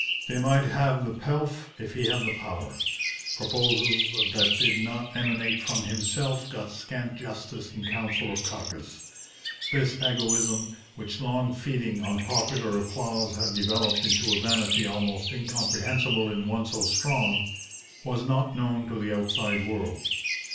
They might have the pelf if he had the power. Proposals that did not emanate from himself got scant justice in council or caucus. This egoism, which long feeding on popular applause had developed into a vanity almost incomprehensible in one so strong, was not known to the outside world.